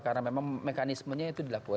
karena memang mekanismenya itu dilakukan